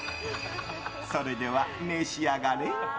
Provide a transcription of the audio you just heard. それでは召し上がれ。